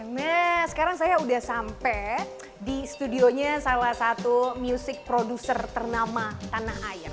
nah sekarang saya sudah sampai di studionya salah satu music producer ternama tanah air